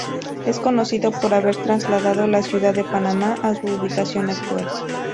Es conocido por haber trasladado la ciudad de Panamá a su ubicación actual.